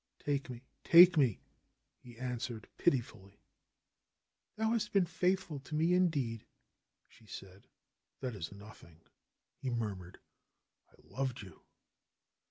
"Take me ! take me he answered pitifully. "Thou hast been faithful to me indeed !" she said. "That is nothing,'' he murmured. "I loved you!"